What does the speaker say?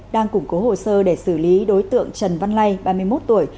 đang củng cố hồ sơ để xử lý đối tượng trần văn lay ba mươi một tuổi